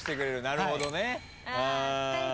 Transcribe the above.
なるほどね。